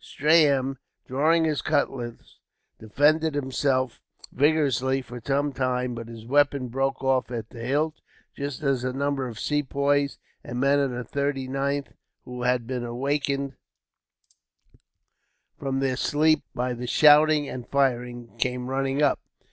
Strahan, drawing his cutlass, defended himself vigorously for some time; but his weapon broke off at the hilt, just as a number of Sepoys and men of the 39th, who had been awakened from their sleep by the shouting and firing, came running up.